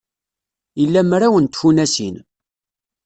Ila mraw n tfunasin.